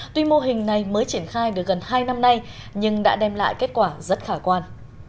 tuy mô hình này mới triển khai được gần hai năm nay nhưng đã đem lại kết quả rất khả quan